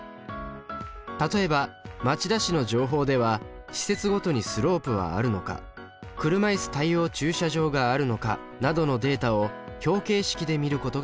例えば町田市の情報では施設ごとにスロープはあるのか車いす対応駐車場があるのかなどのデータを表形式で見ることができます。